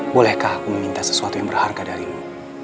bolehkah aku meminta sesuatu yang berharga darimu